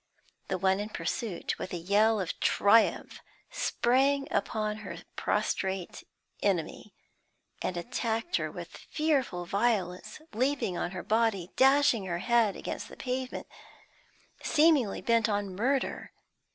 The one in pursuit, with a yell of triumph, sprang upon her prostrate enemy, and attacked her with fearful violence, leaping on her body, dashing her head against the pavement, seemingly bent on murder.